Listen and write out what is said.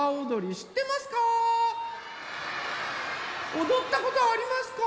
おどったことありますか？